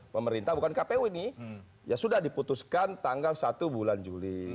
pemerintah bukan kpu ini ya sudah diputuskan tanggal satu bulan juli